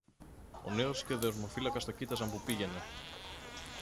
Ο νέος και ο δεσμοφύλακας το κοίταζαν που πήγαινε.